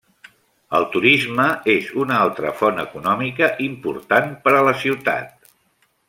El turisme és una altra font econòmica important per a la ciutat.